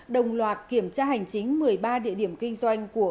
đồng loạt kiểm tra hành chính một mươi ba địa điểm kinh doanh của